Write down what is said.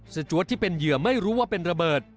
จวดที่เป็นเหยื่อไม่รู้ว่าเป็นระเบิด